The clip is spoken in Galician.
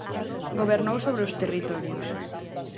Gobernou sobre os territorios.